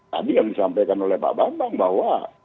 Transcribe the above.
tadi yang disampaikan oleh pak bambang bahwa